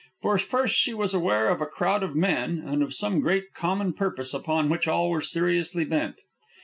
For first she was aware of a crowd of men, and of some great common purpose upon which all were seriously bent.